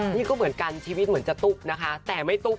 นี่ก็เหมือนกันชีวิตเหมือนจะตุ๊บนะคะแต่ไม่ตุ๊บ